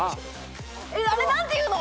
あれ何ていうの？